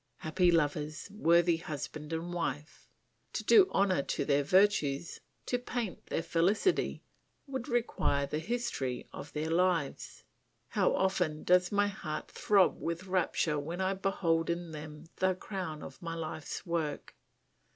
Happy lovers, worthy husband and wife! To do honour to their virtues, to paint their felicity, would require the history of their lives. How often does my heart throb with rapture when I behold in them the crown of my life's work!